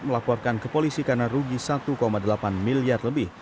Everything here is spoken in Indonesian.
melaporkan ke polisi karena rugi satu delapan miliar lebih